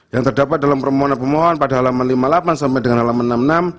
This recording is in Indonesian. yang terdapat dalam permohonan pemohon pada halaman lima puluh delapan sampai dengan halaman enam puluh enam